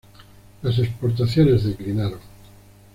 Las exportaciones declinaron.